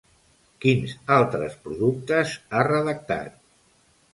Quins altres productes ha redactat?